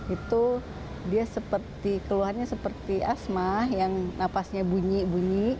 itu dia seperti keluhannya seperti asma yang napasnya bunyi bunyi